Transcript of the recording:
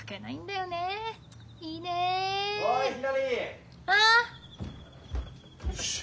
よし。